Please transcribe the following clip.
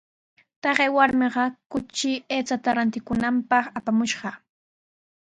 Taqay warmiqa kuchi aychata rantikunanpaq apamushqa.